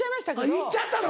言っちゃったの？